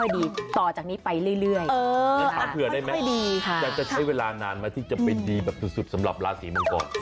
ดีแบบสุดสำหรับราศีมองกอต